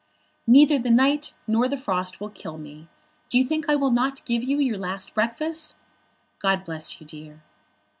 "Neither the night nor the frost will kill me. Do you think I will not give you your last breakfast? God bless you, dear."